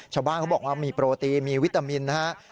ชาวบ้านเขาบอกว่ามีโปรตีมีวิตามินนะครับ